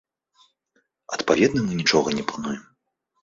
Адпаведна, мы нічога не плануем.